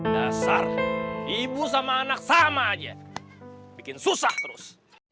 dasar ibu sama anak sama aja bikin susah terus